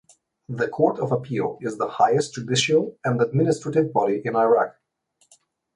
The Court of Appeal is the highest judicial and administrative body in Iraq.